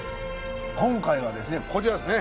今回はですねこちらですね。